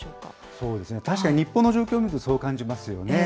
そうですね、確かに日本の状況を見ると、そう感じますよね。